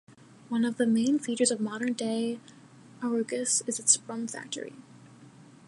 One of the main features of modern-day Arucas is its rum factory.